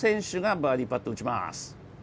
バーディーパットを打ちます。